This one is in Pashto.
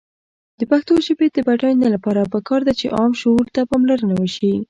د پښتو ژبې د بډاینې لپاره پکار ده چې عام شعور ته پاملرنه وشي.